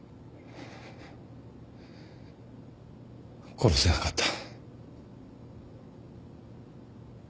殺せなかった。